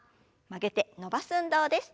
曲げて伸ばす運動です。